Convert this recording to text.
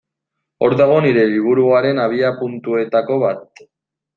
Hor dago nire liburuaren abiapuntuetako bat.